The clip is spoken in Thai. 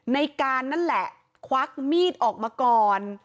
ในการนั่นแหละควักมีดออกมาก่อน